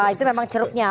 itu memang jeruknya